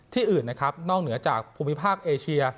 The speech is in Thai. อื่นนะครับนอกเหนือจากภูมิภาคเอเชีย